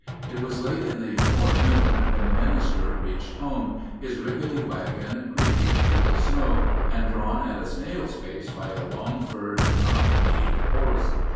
It was late in the forenoon when the minister reached home, his rickety wagon creaking through the snow, and drawn at a snail's pace by a long furred, knock kneed horse.